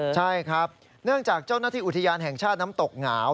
ใช่ครับเนื่องจากเจ้าหน้าที่อุทยานแห่งชาติน้ำตกหงาว